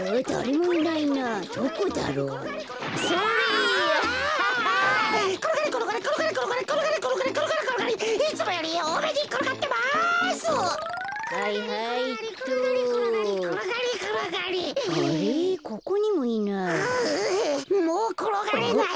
もうころがれない。